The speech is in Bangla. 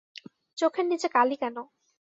চোখের নীচে কালি কেন?